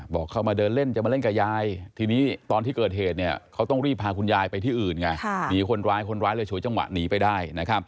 บอกเขามาเดินเล่นจะมาเล่นกับยายทีนี้ตอนที่เกิดเหตุก็เรียบพาคุณยายไปที่อื่นไง